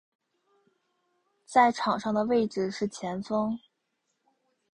在场上的位置是前锋。